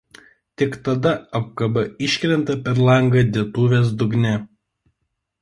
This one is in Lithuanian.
Tik tada apkaba iškrenta per langą dėtuvės dugne.